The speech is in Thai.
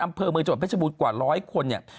อำเภอเมืองจบนประชบูรณ์กว่าร้อยคนเนี่ย